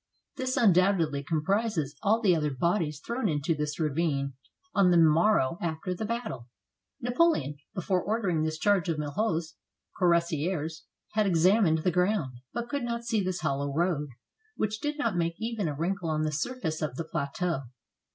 This un doubtedly comprises all the other bodies thrown into this ravine on the morrow after the battle. Napoleon, before ordering this charge of Milhaud's 370 WATERLOO cuirassiers, had examined the ground, but could not see this hollow road, which did not make even a wrinkle on the surface of the plateau.